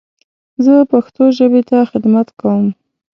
زه پښتو ژبې ته خدمت کوم.